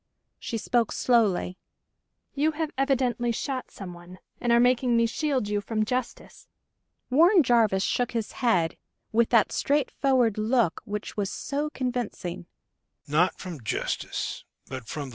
She spoke slowly. "You have evidently shot someone, and are making me shield you from justice." Warren Jarvis shook his head, with that straightforward look which was so convincing.